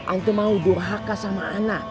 antum mau durhaka sama ana